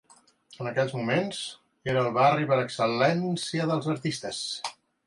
En aquells moments, era el barri per excel·lència dels artistes.